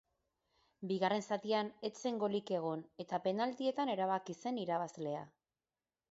Bigarren zatian ez zen golik egon eta penaltietan erabaki zen irabazlea.